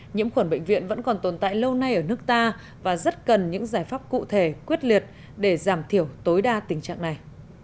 nhiễm khuẩn bệnh viện vẫn còn tồn tại lâu nay ở nước ta và rất cần những giải pháp cụ thể quyết liệt để giảm thiểu tối đa tình trạng này